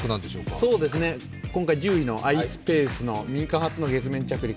今回１０位のｉｓｐａｃｅの民間初の月面着陸。